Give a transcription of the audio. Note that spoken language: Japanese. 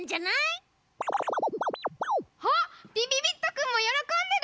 あっびびびっとくんもよろこんでる！